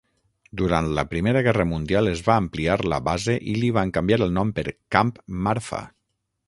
Durant la primera guerra mundial es va ampliar la base i li van canviar el nom per Camp Marfa.